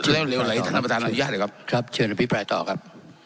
แล้วเร็วไหนท่านประธานอนุญาตเลยครับครับเชิญอภิปรายต่อครับ